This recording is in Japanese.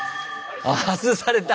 あ外された。